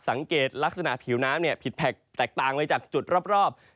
สังเกตลักษณะผิวน้ำเนี่ยผิดแผลกแตกต่างเลยจากจุดรอบ